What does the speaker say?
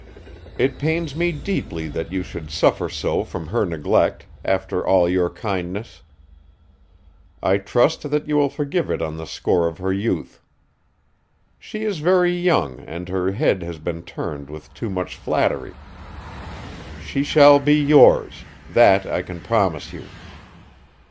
It pains me deeply that you should suffer so from her neglect after all your kindness. I trust that you will forgive it on the score of her youth. She is very young and her head has been turned with too much flattery. She shall be yours that I can promise you.